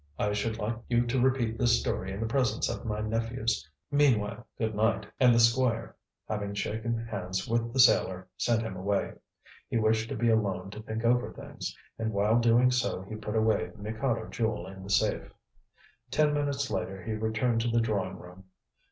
I should like you to repeat this story in the presence of my nephews. Meanwhile, good night," and the Squire, having shaken hands with the sailor, sent him away. He wished to be alone to think over things, and while doing so he put away the Mikado Jewel in the safe. Ten minutes later he returned to the drawing room.